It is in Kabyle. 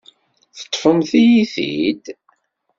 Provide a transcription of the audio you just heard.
Teṭṭfemt-iyi-t-id.